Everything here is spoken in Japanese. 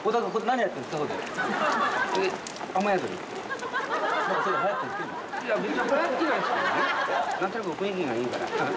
何となく雰囲気がいいから。